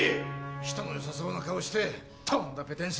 ・人の良さそうな顔してとんだペテン師だ。